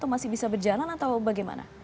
masih bisa berjalan atau bagaimana